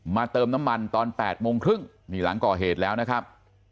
เติมน้ำมันตอน๘โมงครึ่งนี่หลังก่อเหตุแล้วนะครับ